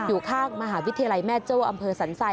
อยู่ข้างมหาวิทยาลัยแม่โจ้อำเภอสันทราย